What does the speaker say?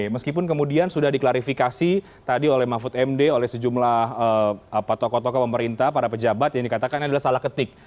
meskipun kemudian sudah diklarifikasi tadi oleh mahfud md oleh sejumlah tokoh tokoh pemerintah para pejabat yang dikatakan adalah salah ketik